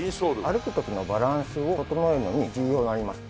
歩く時のバランスを整えるのに重要になります。